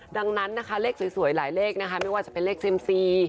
ดังนั้นนะคะเลขสวยหลายเลขนะคะไม่ว่าจะเป็นเลขเซ็มซี